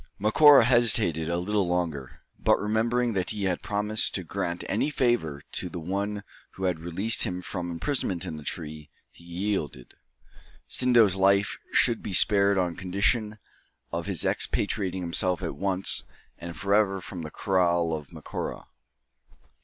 Macora hesitated a little longer; but remembering that he had promised to grant any favour to the one who had released him from imprisonment in the tree, he yielded. Sindo's life should be spared on condition of his expatriating himself at once and forever from the kraal of Macora.